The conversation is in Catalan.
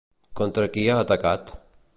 Contra qui ha atacat?